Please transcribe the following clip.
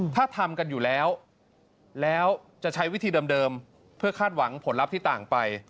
ถ้าทำกันอยู่แล้วแล้วจะใช้วิธีเดิมเพื่อคาดหวังผลลัพธ์ที่ต่างไป